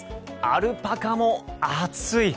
アルパカも暑い。